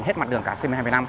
hết mặt đường cả c một mươi năm